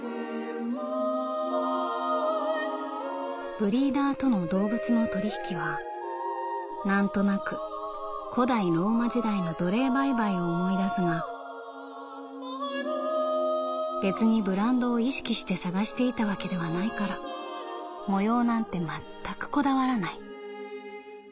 「ブリーダーとの動物の取引はなんとなく古代ローマ時代の奴隷売買を思い出すが別にブランドを意識して探していたわけではないから模様なんて全くこだわらない」。